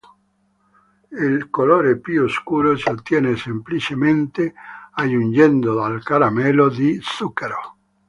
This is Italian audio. Il colore più scuro si ottiene semplicemente aggiungendo del caramello di zucchero.